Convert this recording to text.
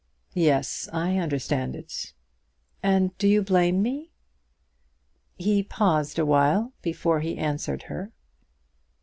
"Yes, I understand it." "And do you blame me?" He paused awhile before he answered her.